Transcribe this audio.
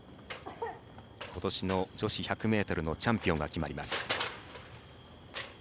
ことしの女子１００ｍのチャンピオンが決まります。